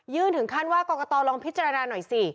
ยื่นถึงขั้นว่าก๊อกกะตอลองพิจารณาหน่อยสิ